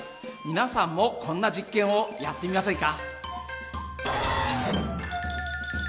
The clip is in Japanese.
皆さんもこんな実験をやってみませんか？